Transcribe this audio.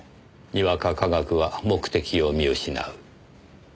にわか科学は目的を見失う。